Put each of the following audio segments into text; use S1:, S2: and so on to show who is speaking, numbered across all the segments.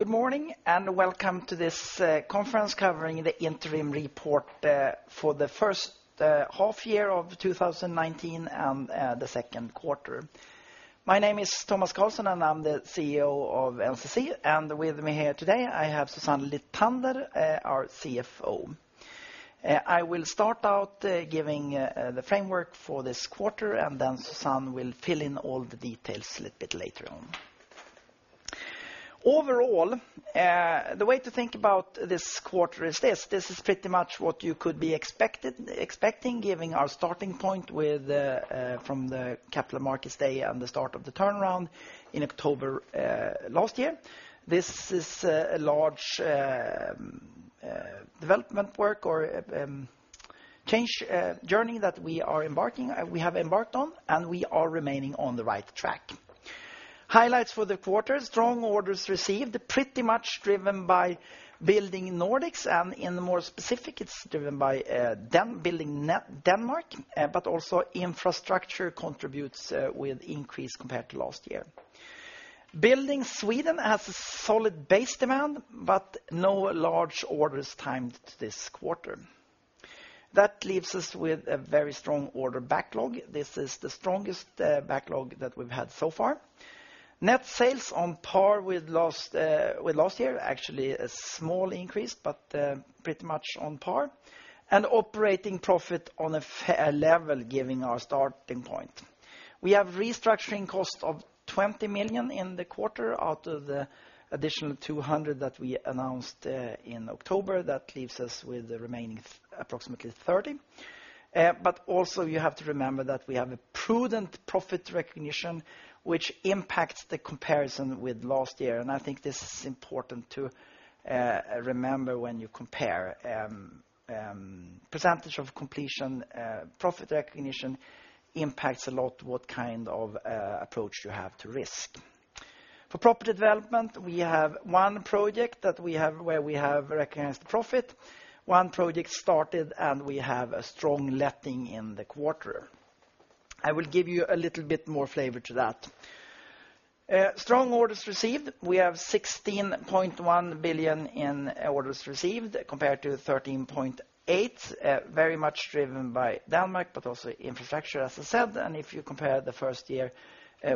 S1: Good morning, and welcome to this conference covering the interim report for the H1 year of 2019, and the Q2. My name is Tomas Carlsson, and I'm the CEO of NCC, and with me here today, I have Susanne Lithander, our CFO. I will start out giving the framework for this quarter, and then Susanne will fill in all the details a little bit later on. Overall, the way to think about this quarter is this: this is pretty much what you could be expecting, given our starting point with from the Capital Markets Day and the start of the turnaround in October last year. This is a large development work or change journey that we have embarked on, and we are remaining on the right track. Highlights for the quarter, strong orders received, pretty much driven by Building Nordics, and in the more specific, it's driven by Denmark, Building Denmark, but also Infrastructure contributes with increase compared to last year. Building Sweden has a solid base demand, but no large orders timed this quarter. That leaves us with a very strong order backlog. This is the strongest backlog that we've had so far. Net sales on par with last year, actually, a small increase, but pretty much on par, and operating profit on a fair level giving our starting point. We have restructuring cost of 20 million in the quarter out of the additional 200 million that we announced in October. That leaves us with the remaining approximately 30 million. But also you have to remember that we have a prudent profit recognition, which impacts the comparison with last year, and I think this is important to remember when you compare. Percentage of completion profit recognition impacts a lot what kind of approach you have to risk. For Property Development, we have one project that we have, where we have recognized the profit, one project started, and we have a strong letting in the quarter. I will give you a little bit more flavor to that. Strong orders received. We have 16.1 billion in orders received, compared to 13.8 billion, very much driven by Denmark, but also Infrastructure, as I said. And if you compare the first year,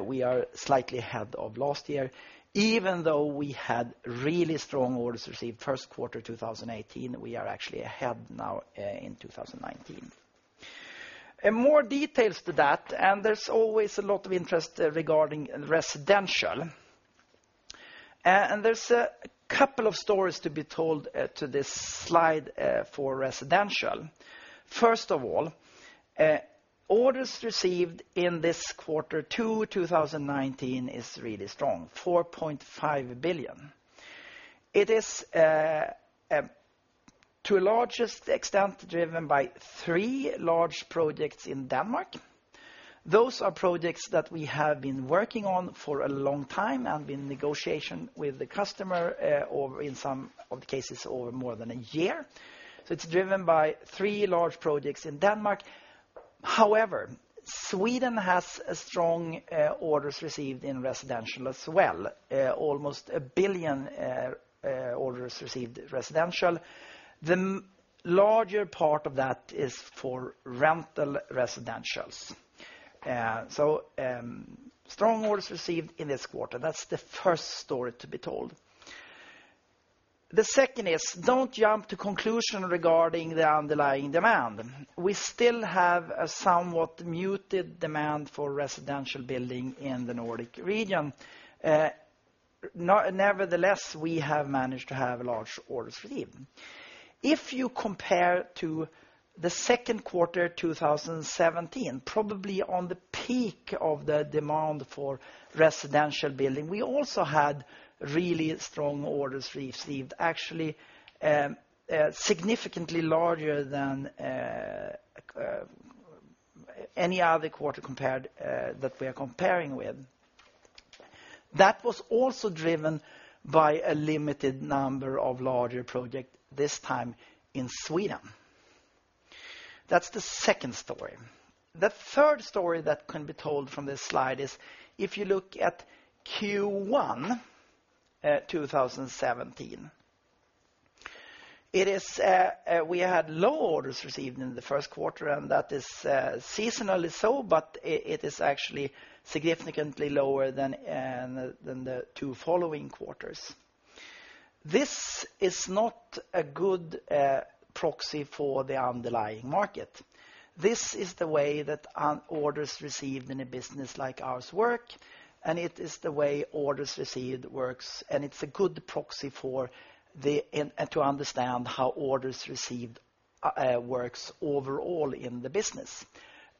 S1: we are slightly ahead of last year. Even though we had really strong orders received Q1, 2018, we are actually ahead now in 2019. In more details to that, and there's always a lot of interest regarding residential. And there's a couple of stories to be told to this slide for residential. First of all, orders received in this quarter to 2019 is really strong, 4.5 billion. It is to a largest extent driven by three large projects in Denmark. Those are projects that we have been working on for a long time and been in negotiation with the customer or in some of the cases, over more than a year. So it's driven by three large projects in Denmark. However, Sweden has a strong orders received in residential as well, almost 1 billion orders received residential. The larger part of that is for rental residentials. So, strong orders received in this quarter. That's the first story to be told. The second is, don't jump to conclusion regarding the underlying demand. We still have a somewhat muted demand for residential building in the Nordic region. Nevertheless, we have managed to have large orders received. If you compare to the Q2, 2017, probably on the peak of the demand for residential building, we also had really strong orders received, actually, significantly larger than any other quarter compared that we are comparing with. That was also driven by a limited number of larger project, this time in Sweden. That's the second story. The third story that can be told from this slide is if you look at Q1, 2017, it is we had low orders received in the Q1, and that is seasonally so, but it is actually significantly lower than the two following quarters. This is not a good proxy for the underlying market. This is the way that orders received in a business like ours work, and it is the way orders received works, and it's a good proxy in, to understand how orders received works overall in the business.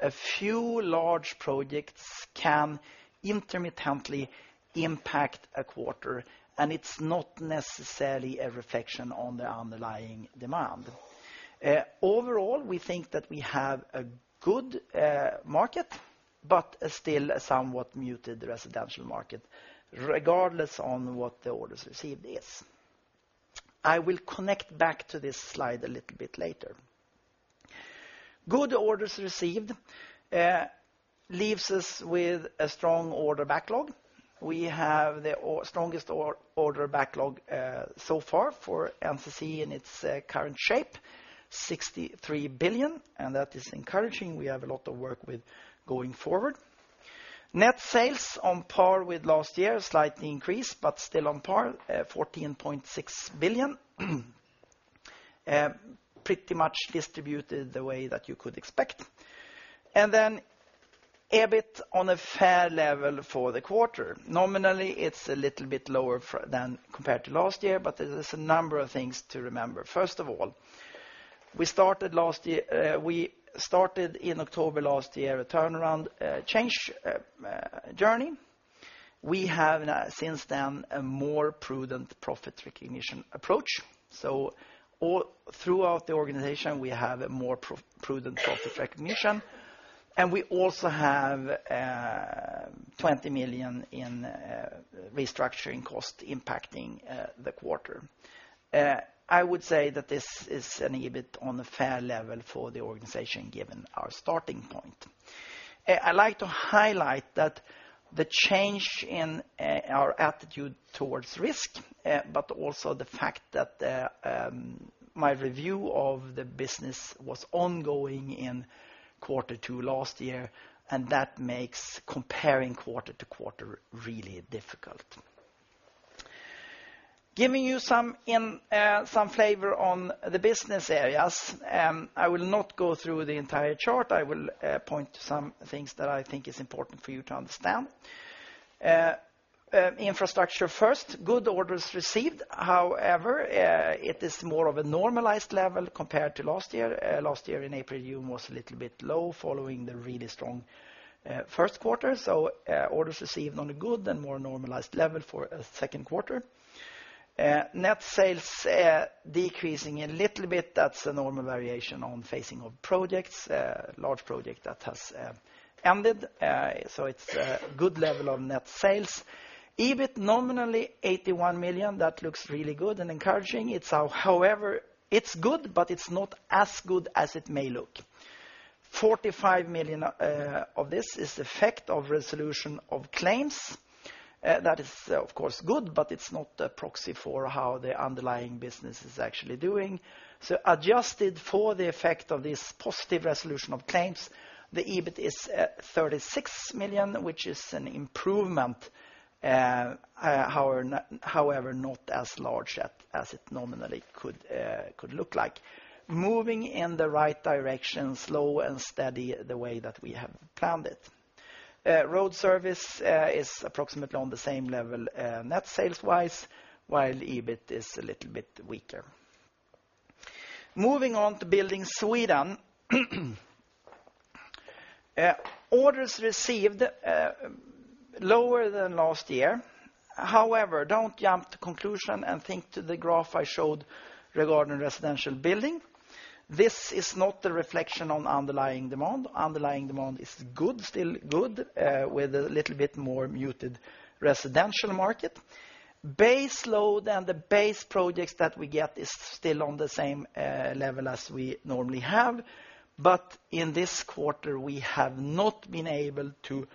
S1: A few large projects can intermittently impact a quarter, and it's not necessarily a reflection on the underlying demand. Overall, we think that we have a good market, but still a somewhat muted residential market, regardless on what the orders received is. I will connect back to this slide a little bit later. Good orders received leaves us with a strong order backlog. We have the strongest order backlog so far for NCC in its current shape, 63 billion, and that is encouraging. We have a lot of work with going forward. Net sales on par with last year, slightly increased, but still on par, fourteen point six billion. Pretty much distributed the way that you could expect. And then, EBIT on a fair level for the quarter. Nominally, it's a little bit lower than compared to last year, but there's a number of things to remember. First of all, we started last year, we started in October last year, a turnaround, change, journey. We have now since then, a more prudent profit recognition approach. So all throughout the organization, we have a more prudent profit recognition, and we also have 20 million in restructuring cost impacting the quarter. I would say that this is an EBIT on a fair level for the organization, given our starting point. I'd like to highlight that the change in our attitude toward risk, but also the fact that my review of the business was ongoing in quarter two last year, and that makes comparing quarter to quarter really difficult. Giving you some flavor on the business areas, I will not go through the entire chart. I will point to some things that I think is important for you to understand. Infrastructure first, good orders received, however, it is more of a normalized level compared to last year. Last year in April, June was a little bit low, following the really strong Q1. So, orders received on a good and more normalized level for a Q2. Net sales decreasing a little bit, that's a normal variation on phasing of projects, a large project that has ended. So it's a good level of net sales. EBIT, nominally 81 million, that looks really good and encouraging. It's however, it's good, but it's not as good as it may look. 45 million of this is the effect of resolution of claims. That is, of course, good, but it's not a proxy for how the underlying business is actually doing. So adjusted for the effect of this positive resolution of claims, the EBIT is 36 million, which is an improvement, however, not as large as it nominally could look like. Moving in the right direction, slow and steady, the way that we have planned it. Road Service is approximately on the same level net sales-wise, while EBIT is a little bit weaker. Moving on to Building Sweden. Orders received lower than last year. However, don't jump to conclusion and think to the graph I showed regarding residential building. This is not a reflection on underlying demand. Underlying demand is good, still good, with a little bit more muted residential market. Base load and the base projects that we get is still on the same level as we normally have. In this quarter, we have not been able to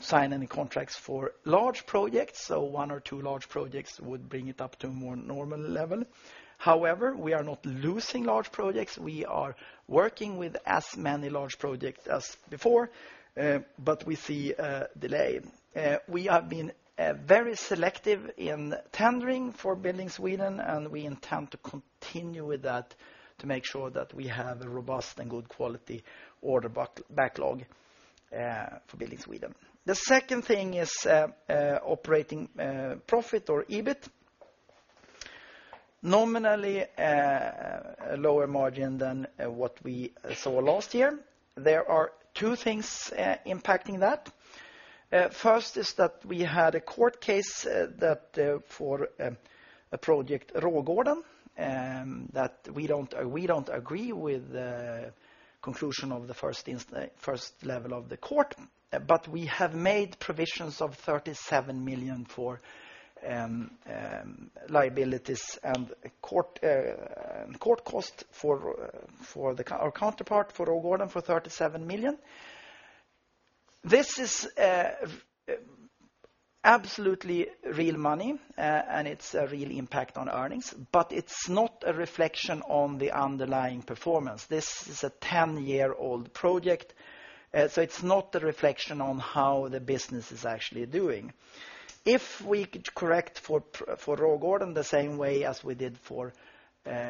S1: sign any contracts for large projects, so one or two large projects would bring it up to a more normal level. However, we are not losing large projects. We are working with as many large projects as before, but we see a delay. We have been very selective in tendering for Building Sweden, and we intend to continue with that to make sure that we have a robust and good quality order backlog for Building Sweden. The second thing is operating profit or EBIT. Nominally, a lower margin than what we saw last year. There are two things impacting that. First is that we had a court case that, for a project, Rågården, that we don't, we don't agree with the conclusion of the first level of the court, but we have made provisions of 37 million for liabilities and court cost for our counterpart for Rågården for 37 million. This is absolutely real money, and it's a real impact on earnings, but it's not a reflection on the underlying performance. This is a 10-year-old project, so it's not a reflection on how the business is actually doing. If we could correct for Rågården the same way as we did for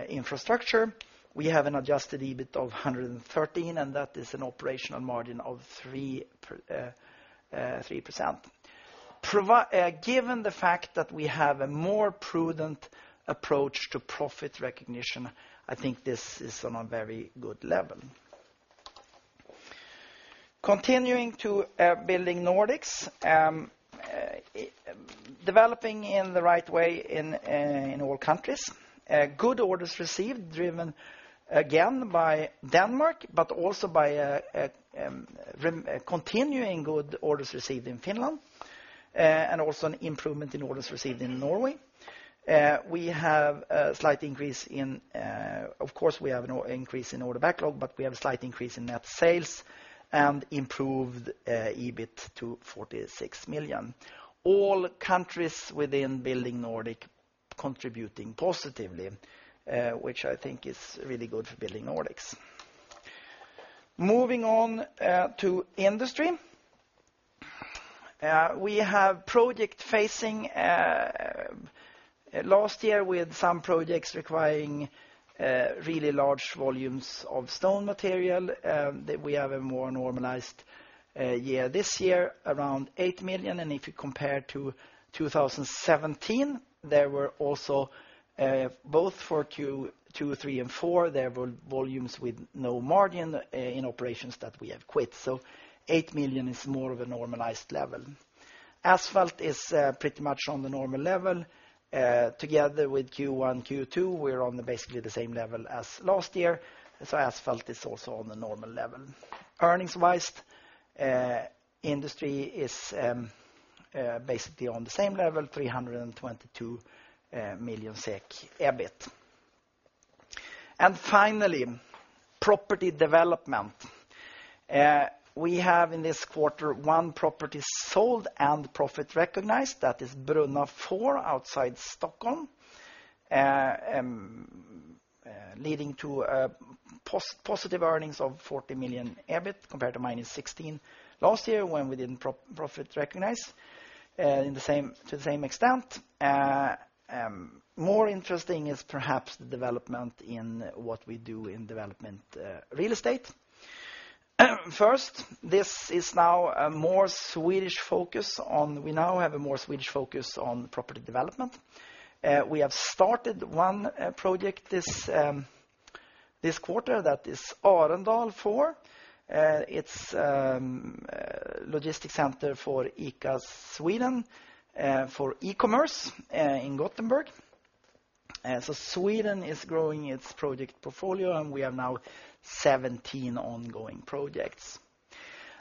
S1: Infrastructure, we have an adjusted EBIT of 113 million, and that is an operational margin of 3%. Given the fact that we have a more prudent approach to profit recognition, I think this is on a very good level. Continuing to Building Nordics, developing in the right way in all countries. Good orders received, driven again by Denmark, but also by a continuing good orders received in Finland, and also an improvement in orders received in Norway. We have a slight increase in, of course, we have an increase in order backlog, but we have a slight increase in net sales and improved EBIT to 46 million. All countries within Building Nordics contributing positively, which I think is really good for Building Nordics. Moving on to Industry. We have project phasing. Last year, we had some projects requiring really large volumes of stone material, that we have a more normalized year this year, around 8 million. And if you compare to 2017, there were also both for Q2, Q3, and Q4, there were volumes with no margin in operations that we have quit. So 8 million is more of a normalized level. Asphalt is pretty much on the normal level. Together with Q1, Q2, we're on basically the same level as last year, so asphalt is also on the normal level. Earnings-wise, Industry is basically on the same level, 322 million SEK EBIT. And finally, Property Development. We have in this quarter, one property sold and profit recognized, that is Brunna 4 outside Stockholm, leading to positive earnings of 40 million EBIT, compared to minus 16 last year, when we didn't profit recognize in the same, to the same extent. More interesting is perhaps the development in what we do in development, real estate. First, this is now a more Swedish focus—we now have a more Swedish focus on Property Development. We have started one project this quarter, that is Arendal 4. It's a logistics center for ICA Sweden for e-commerce in Gothenburg. So Sweden is growing its project portfolio, and we have now 17 ongoing projects.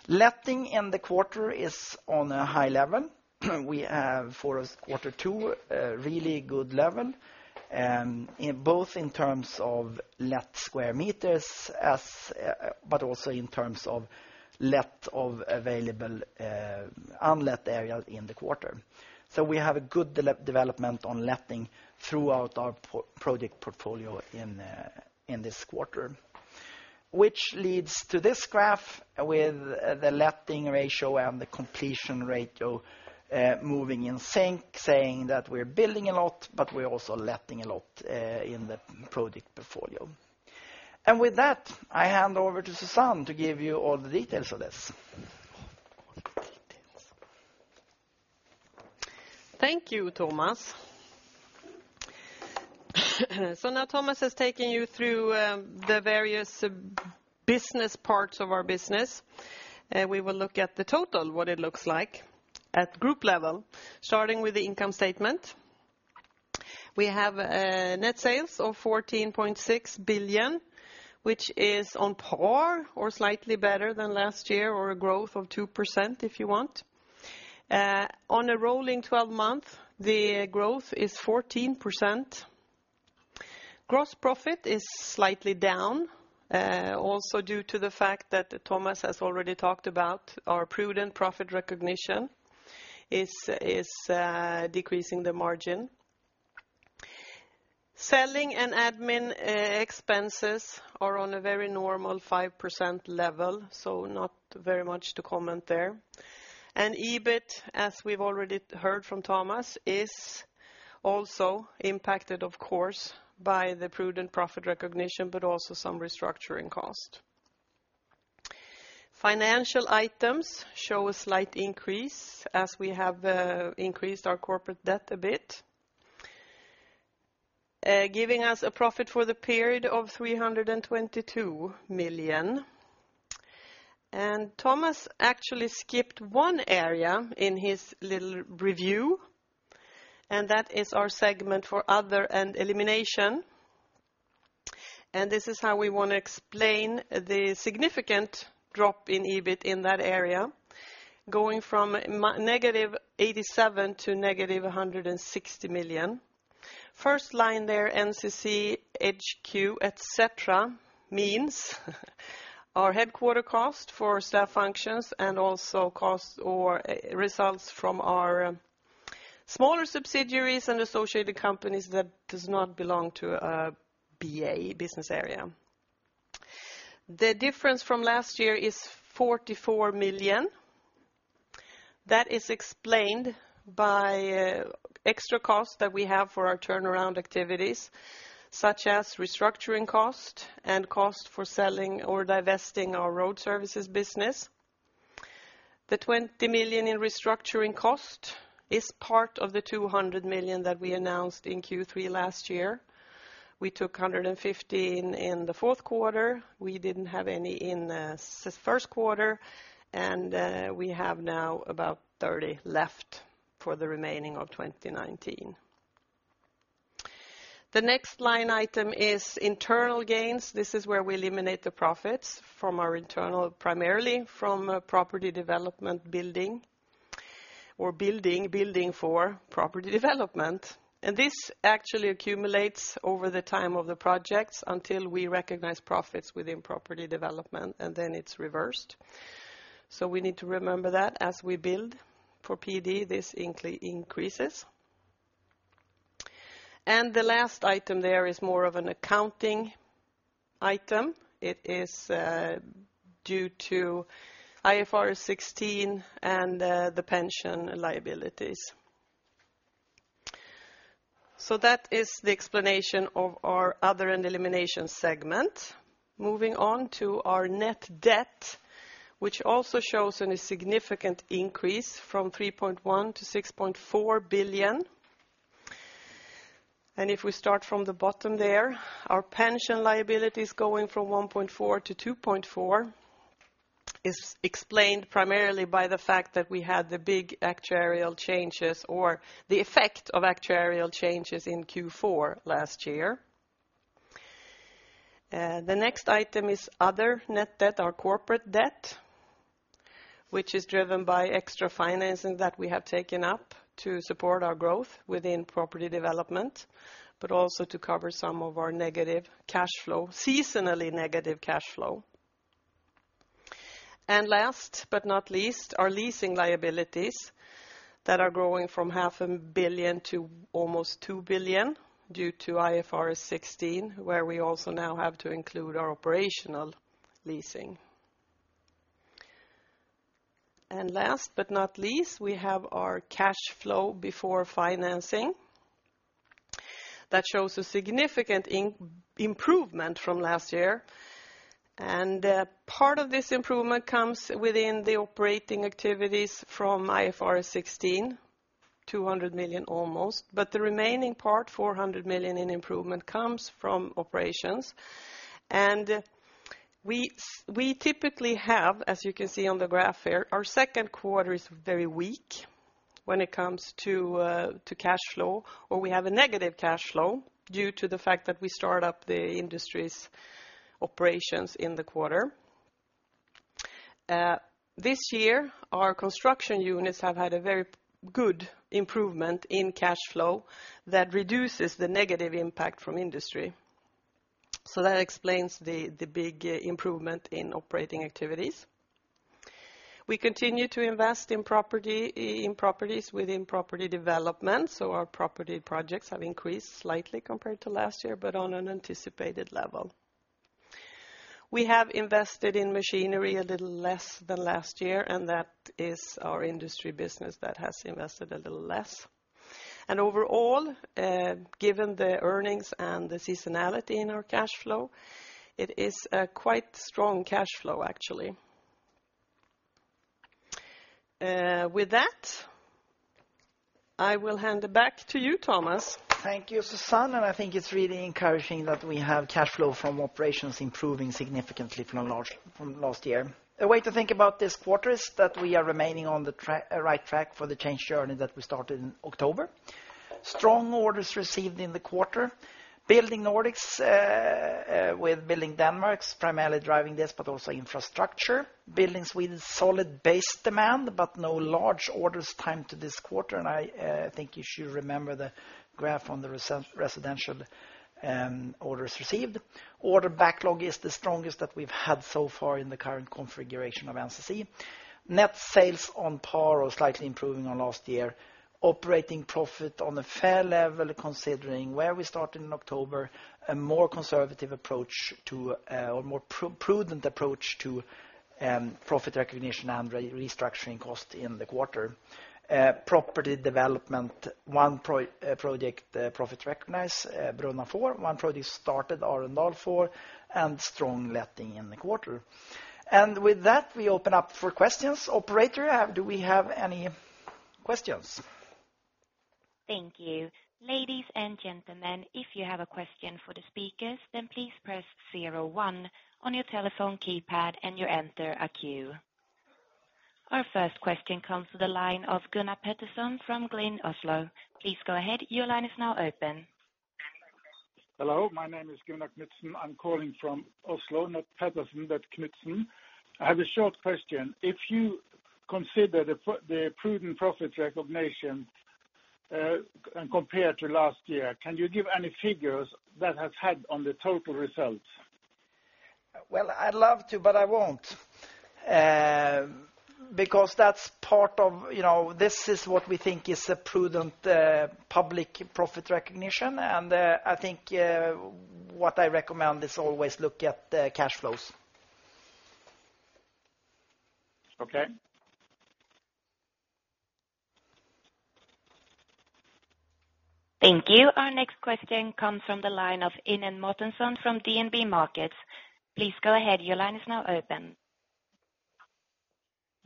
S1: Letting in the quarter is on a high level. We have, for us, quarter two, a really good level, in both in terms of let square meters, but also in terms of let of available, unlet areas in the quarter. So we have a good development on letting throughout our project portfolio in, in this quarter, which leads to this graph with the letting ratio and the completion ratio, moving in sync, saying that we're building a lot, but we're also letting a lot, in the project portfolio. And with that, I hand over to Susanne to give you all the details of this.
S2: Thank you, Thomas. So now Thomas has taken you through the various business parts of our business. We will look at the total, what it looks like at group level, starting with the income statement. We have net sales of 14.6 billion, which is on par or slightly better than last year, or a growth of 2%, if you want. On a rolling 12-month, the growth is 14%. Gross profit is slightly down, also due to the fact that Thomas has already talked about our prudent profit recognition is decreasing the margin. Selling and admin expenses are on a very normal 5% level, so not very much to comment there. And EBIT, as we've already heard from Thomas, is also impacted, of course, by the prudent profit recognition, but also some restructuring cost. Financial items show a slight increase as we have increased our corporate debt a bit, giving us a profit for the period of 322 million. Thomas actually skipped one area in his little review, and that is our segment for other and elimination. This is how we want to explain the significant drop in EBIT in that area, going from -87 to -160 million. First line there, NCC HQ, et cetera, means our headquarter cost for staff functions and also costs or results from our smaller subsidiaries and associated companies that does not belong to a BA, business area. The difference from last year is 44 million. That is explained by extra costs that we have for our turnaround activities, such as restructuring cost and cost for selling or divesting our Road Services business. The 20 million in restructuring cost is part of the 200 million that we announced in Q3 last year. We took 115 million in the Q4. We didn't have any in the Q1, and we have now about 30 left for the remaining of 2019. The next line item is internal gains. This is where we eliminate the profits from our internal, primarily from Property Development building, or building, building for Property Development. And this actually accumulates over the time of the projects until we recognize profits within Property Development, and then it's reversed. So we need to remember that as we build for PD, this increases. And the last item there is more of an accounting item. It is due to IFRS 16 and the pension liabilities. So that is the explanation of our other and elimination segment. Moving on to our net debt, which also shows a significant increase from 3.1 billion to 6.4 billion. And if we start from the bottom there, our pension liability is going from 1.4 billion to 2.4 billion, is explained primarily by the fact that we had the big actuarial changes or the effect of actuarial changes in Q4 last year. The next item is other net debt, our corporate debt, which is driven by extra financing that we have taken up to support our growth within Property Development, but also to cover some of our negative cash flow, seasonally negative cash flow. And last but not least, our leasing liabilities that are growing from 0.5 billion to almost 2 billion due to IFRS 16, where we also now have to include our operational leasing. And last but not least, we have our cash flow before financing. That shows a significant improvement from last year, and, part of this improvement comes within the operating activities from IFRS 16, almost 200 million, but the remaining part, 400 million in improvement, comes from operations. And we typically have, as you can see on the graph here, our Q2 is very weak when it comes to, to cash flow, or we have a negative cash flow due to the fact that we start up the Industry's operations in the quarter. This year, our construction units have had a very good improvement in cash flow that reduces the negative impact from Industry, so that explains the big improvement in operating activities. We continue to invest in property, in properties within Property Development, so our property projects have increased slightly compared to last year, but on an anticipated level. We have invested in machinery a little less than last year, and that is our Industry business that has invested a little less. And overall, given the earnings and the seasonality in our cash flow, it is a quite strong cash flow, actually. With that, I will hand it back to you, Tomas.
S1: Thank you, Susanne, and I think it's really encouraging that we have cash flow from operations improving significantly from last, from last year. A way to think about this quarter is that we are remaining on the right track for the change journey that we started in October. Strong orders received in the quarter. Building Nordics with Building Denmark is primarily driving this, but also Infrastructure. Building Sweden, solid base demand, but no large orders timed to this quarter, and I think you should remember the graph on the residential orders received. Order backlog is the strongest that we've had so far in the current configuration of NCC. Net sales on par or slightly improving on last year. Operating profit on a fair level, considering where we started in October, a more conservative approach to, or more prudent approach to, profit recognition and restructuring cost in the quarter. Property Development, one project, profit recognized, Brunna 4, one project started, Arendal 4, and strong letting in the quarter. And with that, we open up for questions. Operator, do we have any questions?
S3: Thank you. Ladies and gentlemen, if you have a question for the speakers, then please press zero one on your telephone keypad, and you'll enter a queue. Our first question comes to the line of Gunnar Knutsen from Oslo. Please go ahead. Your line is now open.
S4: Hello, my name is Gunnar Knutsen. I'm calling from Oslo, not Petterson, but Knutsen. I have a short question: If you consider the prudent profit recognition, compared to last year, can you give any figures that has had on the total results?
S1: Well, I'd love to, but I won't, because that's part of, you know, this is what we think is a prudent profit recognition, and I think what I recommend is always look at the cash flows.
S4: Okay.
S3: Thank you. Our next question comes from the line of Simen Mortensen from DNB Markets. Please go ahead. Your line is now open.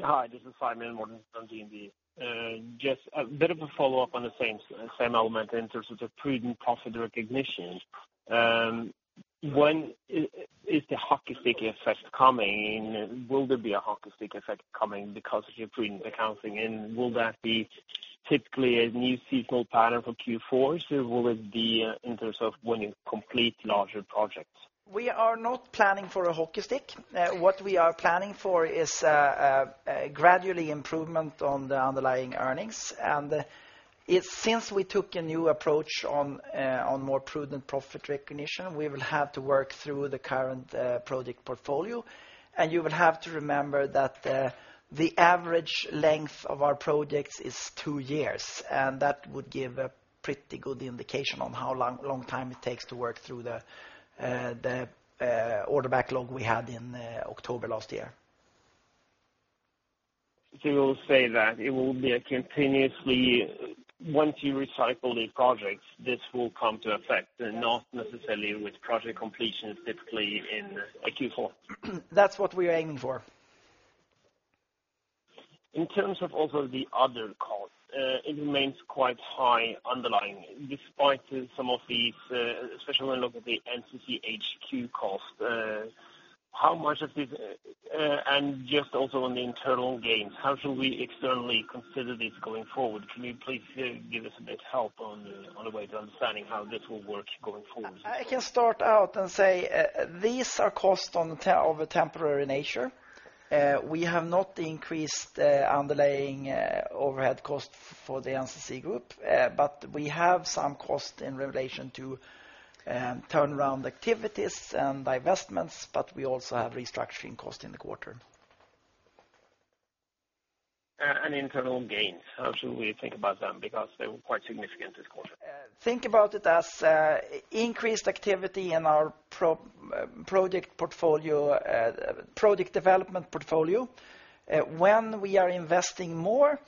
S5: Hi, this is Simen Mortensen from DNB. Just a bit of a follow-up on the same, same element in terms of the prudent profit recognition. When is the hockey stick effect coming? Will there be a hockey stick effect coming because of your prudent accounting, and will that be typically a new seasonal pattern for Q4s, or will it be in terms of winning complete larger projects?
S1: We are not planning for a hockey stick. What we are planning for is a gradually improvement on the underlying earnings. And it, since we took a new approach on more prudent profit recognition, we will have to work through the current project portfolio. And you will have to remember that the average length of our projects is two years, and that would give a pretty good indication on how long time it takes to work through the order backlog we had in October last year.
S5: So you will say that it will be a continuously, once you recycle the projects, this will come to effect, and not necessarily with project completion, typically in a Q4?
S1: That's what we're aiming for.
S5: In terms of also the other costs, it remains quite high underlying, despite some of these, especially when you look at the NCC HQ cost. How much of this, and just also on the internal gains, how should we externally consider this going forward? Can you please give us a bit help on the way to understanding how this will work going forward?
S1: I can start out and say, these are costs of a temporary nature. We have not increased underlying overhead costs for the NCC group, but we have some costs in relation to turnaround activities and divestments, but we also have restructuring costs in the quarter.
S5: Internal gains, how should we think about them? Because they were quite significant this quarter.
S1: Think about it as increased activity in our project portfolio, project development portfolio. When we are investing more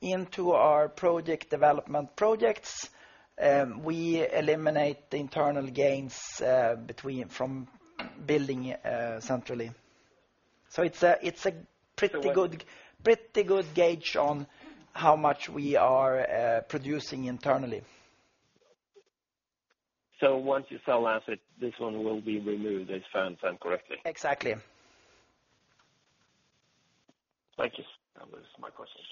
S1: into our project development projects, we eliminate the internal gains from building centrally. So it's a pretty good, pretty good gauge on how much we are producing internally.
S5: Once you sell asset, this one will be removed, as I understand correctly?
S1: Exactly.
S5: Thank you. That was my questions.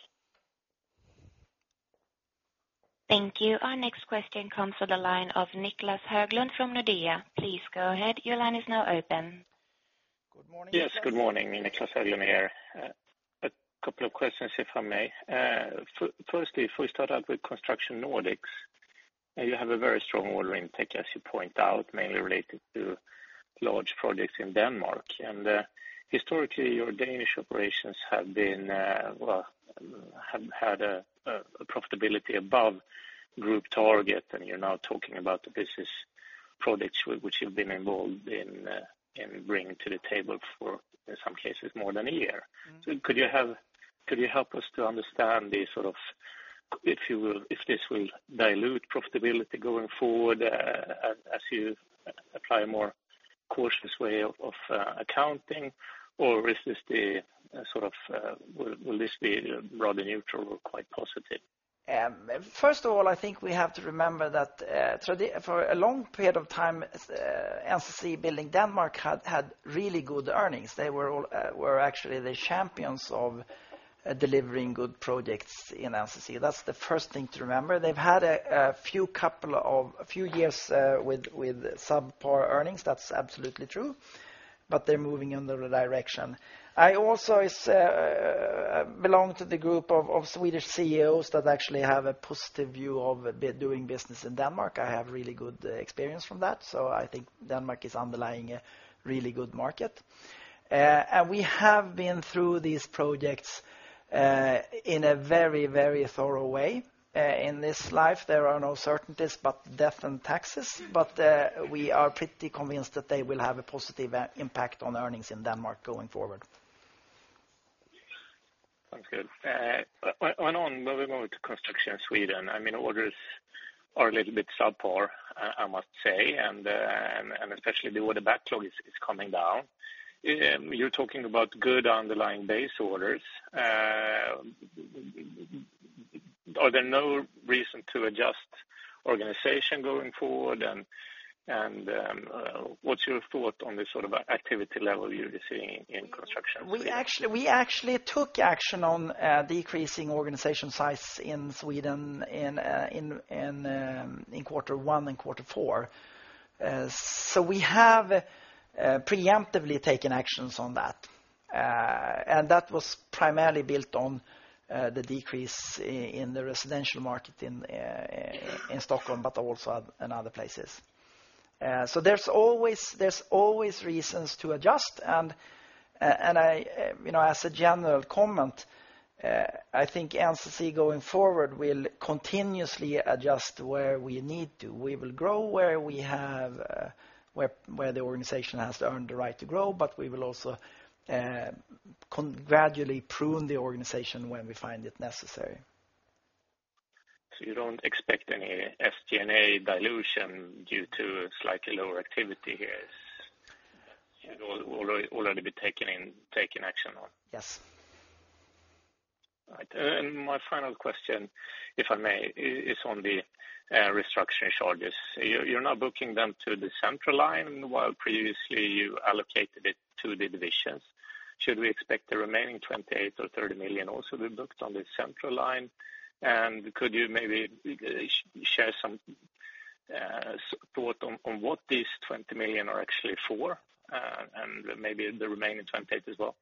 S3: Thank you. Our next question comes from the line of Niclas Höglund from Nordea. Please go ahead. Your line is now open.
S6: Good morning. Yes, good morning, Niclas Höglund here. A couple of questions, if I may. Firstly, if we start out with Construction Nordics, you have a very strong order intake, as you point out, mainly related to large projects in Denmark. Historically, your Danish operations have been, well, have had a profitability above group target, and you're now talking about the business projects which you've been involved in, in bringing to the table for, in some cases, more than a year.
S1: Mm-hmm.
S6: So could you help us to understand the sort of, if you will, if this will dilute profitability going forward, as you apply a more cautious way of accounting? Or is this the sort of, will this be rather neutral or quite positive?
S1: First of all, I think we have to remember that, throughout, for a long period of time, NCC Building Denmark had really good earnings. They were actually the champions of delivering good projects in NCC. That's the first thing to remember. They've had a few years with subpar earnings. That's absolutely true, but they're moving in the right direction. I also belong to the group of Swedish CEOs that actually have a positive view of doing business in Denmark. I have really good experience from that, so I think Denmark is underlying a really good market. And we have been through these projects in a very thorough way. In this life, there are no certainties but death and taxes, but we are pretty convinced that they will have a positive impact on earnings in Denmark going forward.
S6: Sounds good. On moving on to construction in Sweden, I mean, orders are a little bit subpar, I must say, and especially the order backlog is coming down. You're talking about good underlying base orders. Are there no reason to adjust organization going forward, and what's your thought on the sort of activity level you're seeing in construction?
S1: We actually, we actually took action on decreasing organization size in Sweden in quarter one and quarter four. So we have preemptively taken actions on that. And that was primarily built on the decrease in the residential market in Stockholm, but also in other places. So there's always, there's always reasons to adjust, and I you know, as a general comment, I think NCC going forward will continuously adjust where we need to. We will grow where we have, where the organization has earned the right to grow, but we will also gradually prune the organization when we find it necessary.
S6: So you don't expect any SG&A dilution due to slightly lower activity here? It's already been taken in, taken action on?
S1: Yes.
S6: Right. And my final question, if I may, is on the restructuring charges. You're now booking them to the central line, while previously you allocated it to the divisions. Should we expect the remaining 28 million or 30 million also to be booked on the central line? And could you maybe share some thought on what these 20 million are actually for, and maybe the remaining 28 million as well?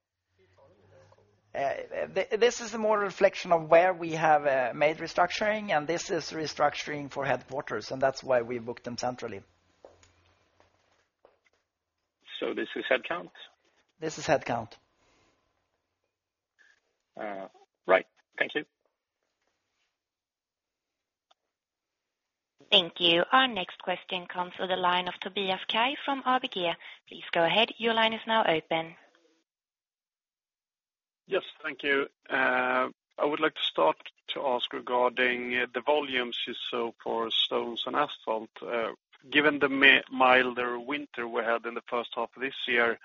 S1: This is more a reflection of where we have made restructuring, and this is restructuring for headquarters. That's why we booked them centrally.
S6: So this is headcount?
S1: This is headcount.
S6: Right. Thank you.
S3: Thank you. Our next question comes through the line of Tobias Kaj from ABG. Please go ahead. Your line is now open.
S7: Yes, thank you. I would like to start to ask regarding the volumes you saw for stones and asphalt. Given the milder winter we had in the H1 of this year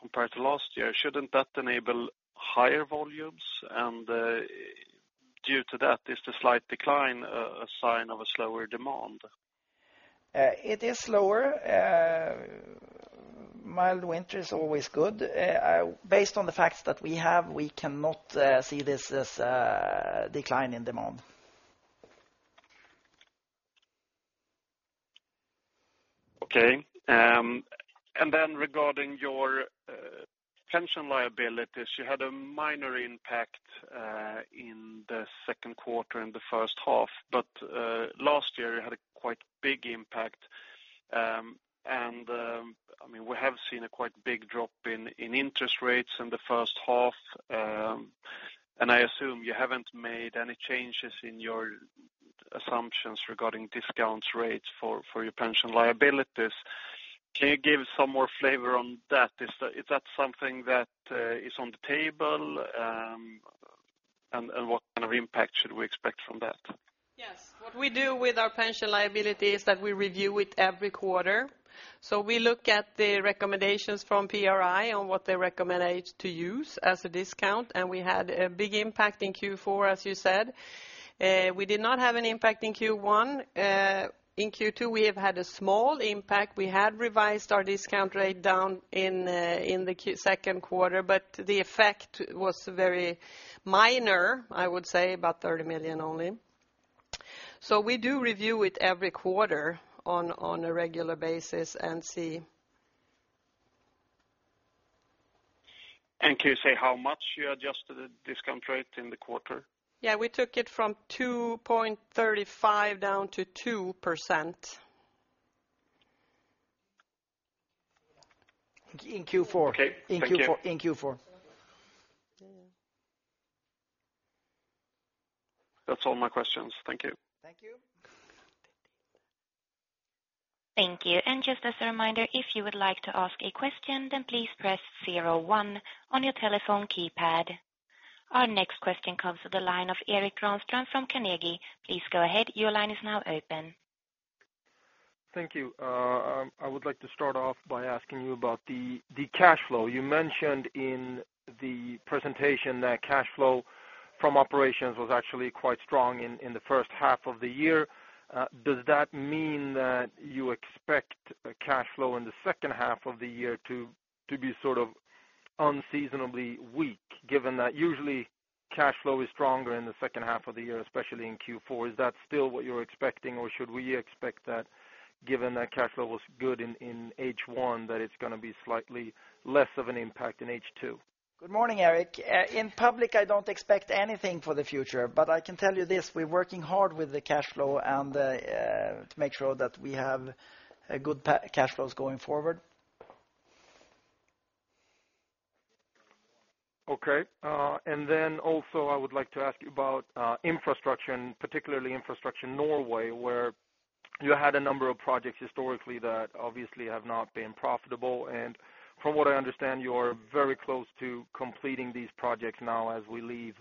S7: compared to last year, shouldn't that enable higher volumes? Due to that, is the slight decline a sign of a slower demand?
S1: It is slower. Mild winter is always good. Based on the facts that we have, we cannot see this as a decline in demand.
S7: Okay. And then regarding your pension liabilities, you had a minor impact in the Q2 and the H1, but last year you had a quite big impact. And I mean, we have seen a quite big drop in interest rates in the H1, and I assume you haven't made any changes in your assumptions regarding discount rates for your pension liabilities. Can you give some more flavor on that? Is that something that is on the table? And what kind of impact should we expect from that?
S2: Yes. What we do with our pension liability is that we review it every quarter. So we look at the recommendations from PRI on what they recommend rate to use as a discount, and we had a big impact in Q4, as you said. We did not have an impact in Q1. In Q2, we have had a small impact. We had revised our discount rate down in the Q2, but the effect was very minor, I would say about 30 million only. So we do review it every quarter on a regular basis and see.
S7: Can you say how much you adjusted the discount rate in the quarter?
S2: Yeah, we took it from 2.35 down to 2%.
S1: In Q4.
S7: Okay.
S1: In Q4. In Q4.
S2: Yeah, yeah.
S7: That's all my questions. Thank you.
S1: Thank you.
S3: Thank you. Just as a reminder, if you would like to ask a question, then please press zero-one on your telephone keypad. Our next question comes to the line of Erik Granström from Carnegie. Please go ahead. Your line is now open.
S8: Thank you. I would like to start off by asking you about the cash flow. You mentioned in the presentation that cash flow from operations was actually quite strong in the H1 of the year. Does that mean that you expect a cash flow in the H2 of the year to be sort of unseasonably weak, given that usually cash flow is stronger in the H2 of the year, especially in Q4? Is that still what you're expecting, or should we expect that, given that cash flow was good in H1, that it's gonna be slightly less of an impact in H2?
S1: Good morning, Eric. In public, I don't expect anything for the future, but I can tell you this: we're working hard with the cash flow and to make sure that we have good cash flows going forward.
S8: Okay. And then also, I would like to ask you about, Infrastructure, and particularly Infrastructure in Norway, where you had a number of projects historically that obviously have not been profitable. And from what I understand, you're very close to completing these projects now as we leave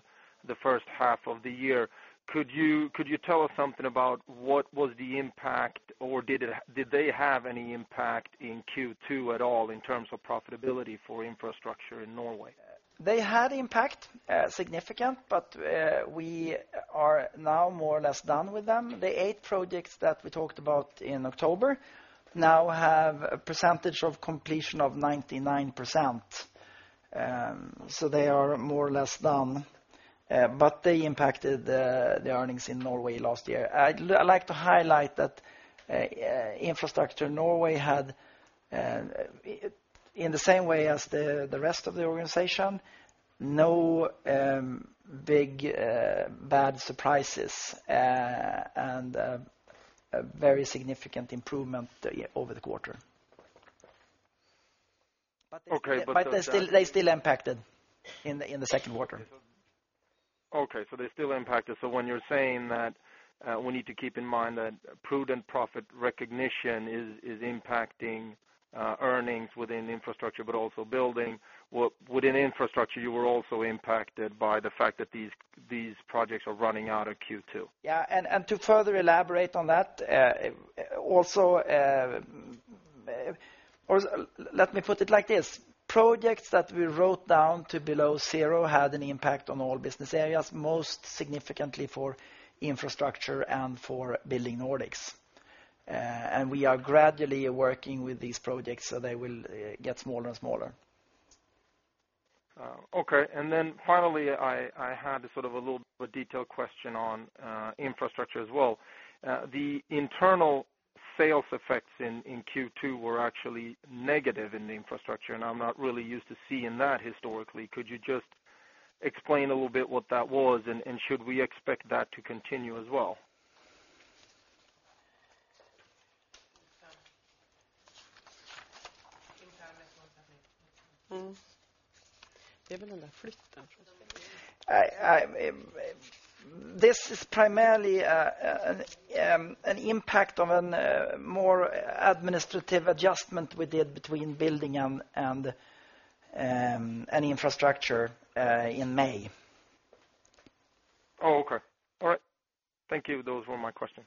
S8: the H1 of the year. Could you, could you tell us something about what was the impact, or did it—did they have any impact in Q2 at all in terms of profitability for Infrastructure in Norway?
S1: They had impact, significant, but, we are now more or less done with them. The eight projects that we talked about in October now have a percentage of completion of 99%, so they are more or less done, but they impacted, the earnings in Norway last year. I'd like to highlight that, Infrastructure, Norway had in the same way as the, the rest of the organization, no, big, bad surprises, and, a very significant improvement, over the quarter.
S8: Okay, but-
S1: But they still impacted in the Q2.
S8: Okay, so they still impacted. So when you're saying that, we need to keep in mind that prudent profit recognition is impacting earnings within Infrastructure, but also building, within Infrastructure, you were also impacted by the fact that these projects are running out of Q2?
S1: Yeah, and, and to further elaborate on that, also, or let me put it like this, projects that we wrote down to below zero had an impact on all business areas, most significantly for Infrastructure and for Building Nordics. And we are gradually working with these projects, so they will get smaller and smaller.
S8: Okay. And then finally, I had a sort of a little bit detailed question on Infrastructure as well. The internal sales effects in Q2 were actually negative in the Infrastructure, and I'm not really used to seeing that historically. Could you just explain a little bit what that was, and should we expect that to continue as well?
S1: This is primarily an impact of a more administrative adjustment we did between building and Infrastructure in May.
S8: Oh, okay. All right. Thank you. Those were my questions.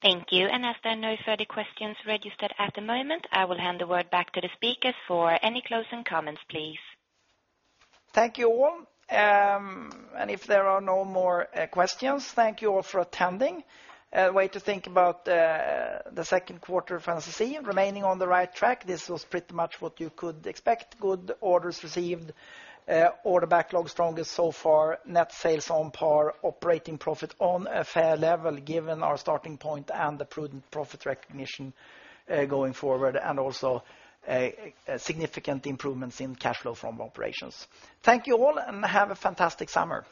S1: Thank you.
S3: Thank you. As there are no further questions registered at the moment, I will hand the word back to the speaker for any closing comments, please.
S1: Thank you, all. And if there are no more questions, thank you all for attending. A way to think about the Q2 for NCC, remaining on the right track. This was pretty much what you could expect. Good orders received, order backlog strongest so far, net sales on par, operating profit on a fair level, given our starting point and the prudent profit recognition going forward, and also a significant improvements in cash flow from operations. Thank you all, and have a fantastic summer.